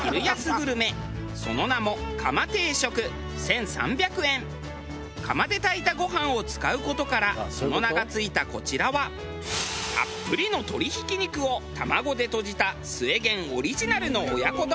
その名も釜で炊いたご飯を使う事からその名が付いたこちらはたっぷりの鶏ひき肉を卵でとじた末げんオリジナルの親子丼。